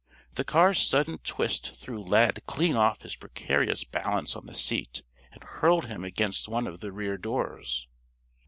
The car's sudden twist threw Lad clean off his precarious balance on the seat, and hurled him against one of the rear doors.